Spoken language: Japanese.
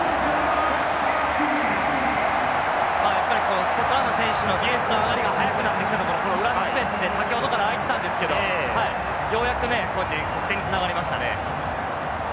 やっぱりこうスコットランドの選手のディフェンスの上がりが早くなってきたところこの裏のスペースって先ほどから空いてたんですけどようやくねこうやって得点につながりましたね。